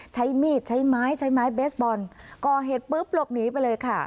ใช้มีดใช้ไม้ใช้ไม้เบสบอลก่อเหตุปุ๊บหลบหนีไปเลยค่ะ